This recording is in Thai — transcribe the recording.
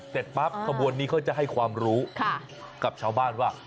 เสร็จปั๊บขบวนนี้เขาจะให้ความรู้กับชาวบ้านว่า